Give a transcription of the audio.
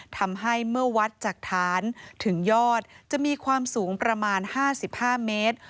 ทำให้เมื่อวัดจากฐานถึงยอดจะมีความสูงประมาณ๕๕เมตร